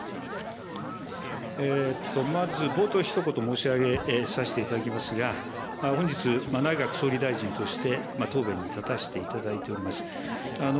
まず、冒頭ひと言申し上げさせていただきますが、本日、内閣総理大臣として、答弁に立たせていただいております。